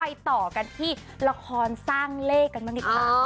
ต่อกันที่ละครสร้างเลขกันบ้างดีกว่า